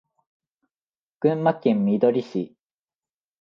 群馬県みどり市